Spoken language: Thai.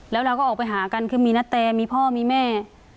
แล้วเราก็ออกไปหากันคือมีนาแตมีพ่อมีแม่